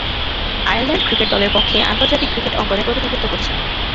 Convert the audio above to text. Ireland cricket দলের পক্ষে আন্তর্জাতিক ক্রিকেট অঙ্গনে প্রতিনিধিত্ব করছেন।